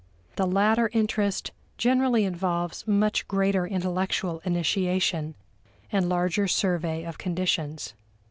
The latter interest generally involves much greater intellectual initiation and larger survey of conditions.